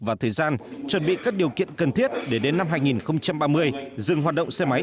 và thời gian chuẩn bị các điều kiện cần thiết để đến năm hai nghìn ba mươi dừng hoạt động xe máy